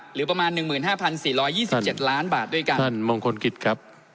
หรือประมาณหนึ่งหมื่นห้าพันสี่ร้อยยี่สิบเจ็ดล้านบาทด้วยกันท่านมงคลกิจครับ